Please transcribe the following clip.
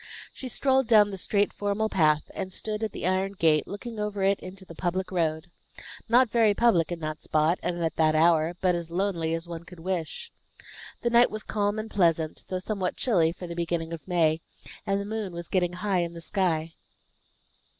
She strolled down the straight formal path, and stood at the iron gate, looking over it into the public road. Not very public in that spot, and at that hour, but as lonely as one could wish. The night was calm and pleasant, though somewhat chilly for the beginning of May, and the moon was getting high in the sky.